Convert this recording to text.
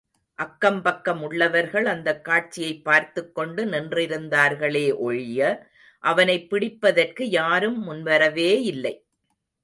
அக்கம் பக்கம் உள்ளவர்கள் அந்தக் காட்சியைப் பார்த்துக் கொண்டு நின்றிருந்தார்களே ஒழிய, அவனைப் பிடிப்பதற்கு யாரும் முன்வரவே இல்லை.